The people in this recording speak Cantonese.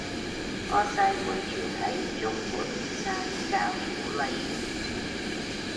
我細妹住喺中半山嘉富麗苑